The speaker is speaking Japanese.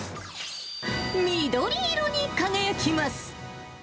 緑色に輝きます。